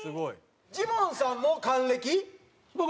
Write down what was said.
ジモンさんも還暦？